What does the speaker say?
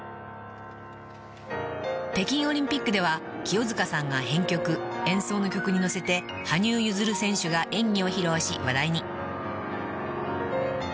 ［北京オリンピックでは清塚さんが編曲演奏の曲にのせて羽生結弦選手が演技を披露し話題に］